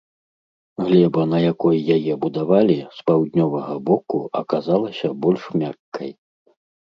Глеба, на якой яе будавалі, з паўднёвага боку аказалася больш мяккай.